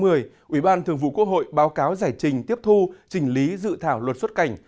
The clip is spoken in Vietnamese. ủy ban thường vụ quốc hội báo cáo giải trình tiếp thu chỉnh lý dự thảo luật xuất cảnh